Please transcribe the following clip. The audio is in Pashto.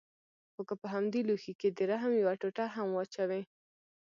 خو که په همدې لوښي کښې د رحم يوه ټوټه هم واچوې.